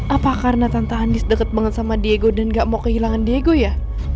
apa karena tantahan deket banget sama diego dan gak mau kehilangan diego ya